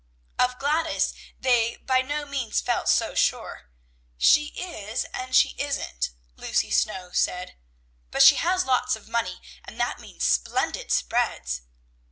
Of Gladys, they by no means felt so sure. "She is, and she isn't," Lucy Snow said; "but she has lots of money, and that means splendid spreads."